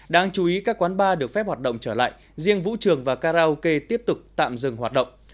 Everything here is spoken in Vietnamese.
đáng chú ý các quán bar được phép hoạt động trở lại riêng vũ trường và karaoke tiếp tục tạm dừng hoạt động